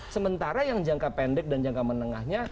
sementara yang jangka pendek dan jangka menengahnya